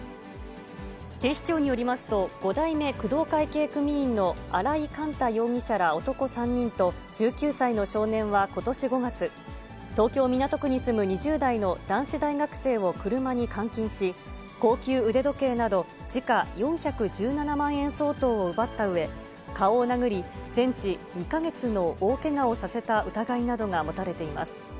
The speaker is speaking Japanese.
警視庁によりますと、五代目工藤会系組員の荒井幹太容疑者ら男３人と１９歳の少年はことし５月、東京・港区に住む２０代の男子大学生を車に監禁し、高級腕時計など時価４１７万円相当を奪ったうえ、顔を殴り、全治２か月の大けがをさせた疑いなどが持たれています。